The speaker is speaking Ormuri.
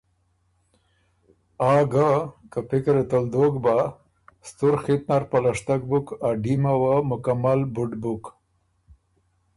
آ ګۀ، که پِکِره ت ال دوک بَۀ، ستُر خِط نر پلشتک بُک ا ډیمه وه مکمل بُډ بُک